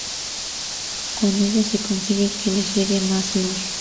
Con ello se consigue que les llegue más luz.